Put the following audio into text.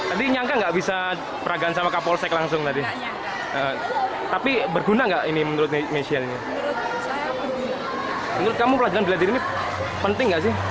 ada orang lain kita juga bisa menyelamatkan diri